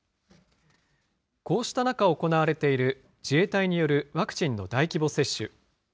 こうした中、行われている自衛隊によるワクチンの大規模接種。